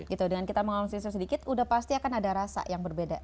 gitu dengan kita mengawasi sedikit udah pasti akan ada rasa yang berbeda